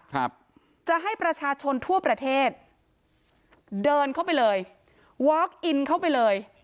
ครับจะให้ประชาชนทั่วประเทศเดินเข้าไปเลยวอคอินเข้าไปเลย